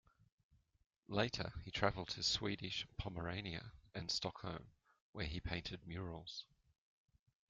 Later he traveled to Swedish Pomerania and Stockholm, where he painted murals.